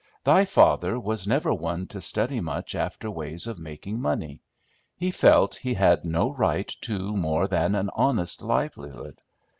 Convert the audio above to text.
Thy father was never one to study much after ways of making money. He felt he had no right to more than an honest livelihood.